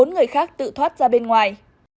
bốn người khác tự thoát ra bên ngoài